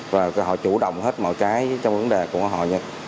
và họ chủ động hết mọi cái trong vấn đề của họ nhất